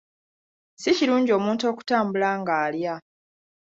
Si kirungi omuntu okutambula nga alya.